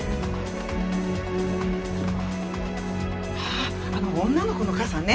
あああの女の子の傘ね。